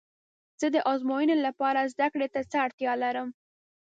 زه د ازموینې لپاره زده کړې ته څه اړتیا لرم؟